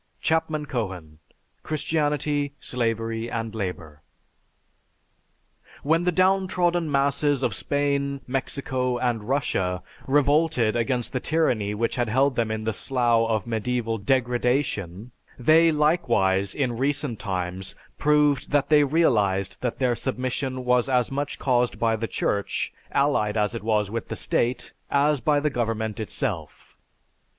(C. Cohen: "Christianity, Slavery, and Labor.") When the downtrodden masses of Spain, Mexico, and Russia revolted against the tyranny which had held them in the slough of medieval degradation, they likewise, in recent times, proved that they realized that their submission was as much caused by the Church, allied as it is with the state, as by the government itself.